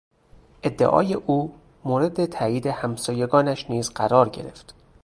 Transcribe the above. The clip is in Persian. ادعای او مورد تایید همسایگانش نیز قرار گرفت.